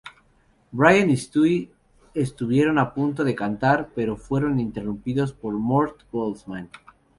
Brian y Stewie estuvieron a punto de cantar pero fueron interrumpidos por Mort Goldman.